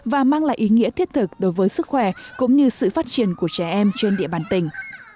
và mang lại ý nghĩa thiết thực đối với sức khỏe cũng như sự phát triển của trẻ em trên địa bàn tỉnh